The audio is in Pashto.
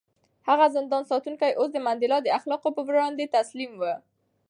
هغه زندان ساتونکی اوس د منډېلا د اخلاقو په وړاندې تسلیم و.